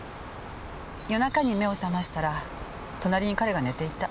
夜中に目を覚ましたら隣に彼が寝ていた。